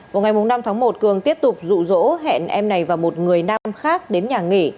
vào ngày năm tháng một cường tiếp tục rụ rỗ hẹn em này và một người nam khác đến nhà nghỉ